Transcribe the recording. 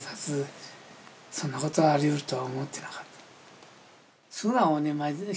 警察でそんなことありうるとは思っていなかった。